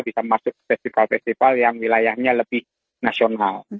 bisa masuk ke festival festival yang wilayahnya lebih nasional